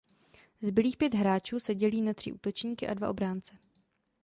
Zbylých pět hráčů se dělí na tři útočníky a dva obránce.